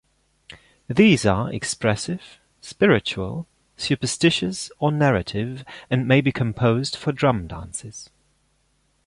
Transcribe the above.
These are expressive, spiritual, superstitious or narrative and may be composed for drum dances.